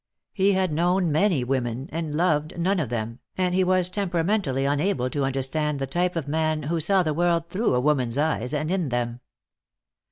He had known many women and loved none of them, and he was temperamentally unable to understand the type of man who saw the world through a woman's eyes and in them.